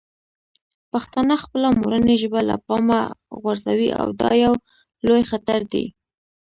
پښتانه خپله مورنۍ ژبه له پامه غورځوي او دا یو لوی خطر دی.